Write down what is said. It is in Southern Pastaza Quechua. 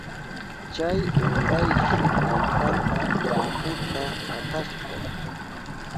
Chay untayshi allpata llamputa katashka.